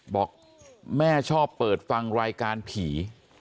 บอกแม่ชอบเปิดฟังรายการผี